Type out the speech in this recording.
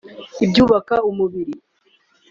Ibyubaka umubiri